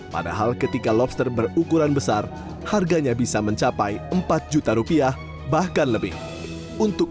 padahal ketika lobster berukuran besar harganya bisa mencapai empat juta rupiah bahkan lebih untuk